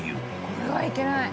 これはいけない！